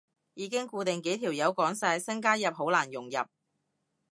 已經固定幾條友講晒，新加入好難融入